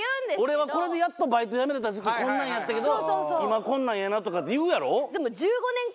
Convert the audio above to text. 俺はこれでやっとバイト辞められた時期こんなんやったけど今こんなんやなとかって言うやろ？